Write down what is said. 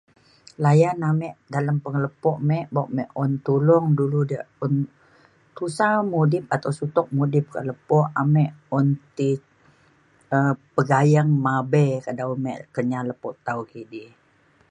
layan amik dalem pengelepuk mik bo' mik lepo' mik un tulung du diak tusa mudip atau sutuk mudip ka lepo amik un t um pegayeng mabe ke dalau mik kenyah lepo tau kidi